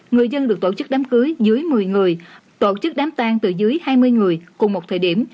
người dân được tổ chức đám cưới dưới một mươi người tổ chức đám tan từ dưới hai mươi người cùng một thời điểm